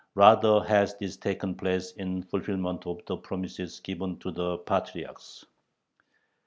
Rather has this taken place in fulfilment of the promises given to the Patriarchs.